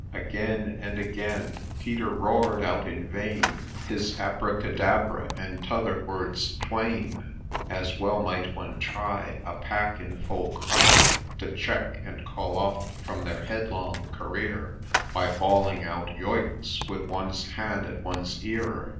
Again and again Peter roar'd out in vain His Abracadabra, and t'other words twain :— As well might one try A pack in full cry To check, and call off from their headlong career, By bawling out, ' Yoicks !' with one's hand at one's ear.